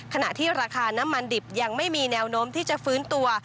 ขณะที่ราคาน้ำมันดิบยังไม่มีแนวโน้มที่จะฟื้นตัว